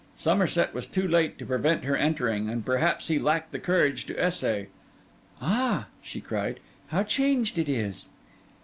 Somerset was too late to prevent her entering, and perhaps he lacked the courage to essay. 'Ah!' she cried, 'how changed it is!